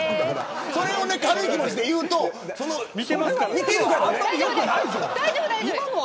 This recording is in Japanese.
それを軽い気持ちで言うと見ているからね。